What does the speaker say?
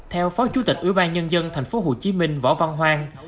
theo phó chủ tịch ủy ban nhân dân tp hcm võ văn hoàng